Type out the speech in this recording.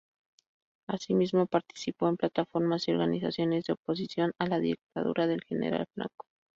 Asimismo, participó en plataformas y organizaciones de oposición a la dictadura del general Franco.